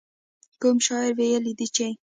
کوم شاعر ويلي دي چې.